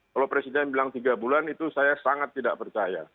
kalau presiden bilang tiga bulan itu saya sangat tidak percaya